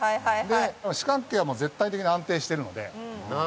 でも四角形は絶対的に安定してるので。